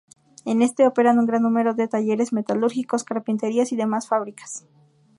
En este, operan un gran número de talleres metalúrgicos, carpinterías y demás fábricas.